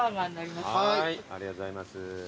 ありがとうございます。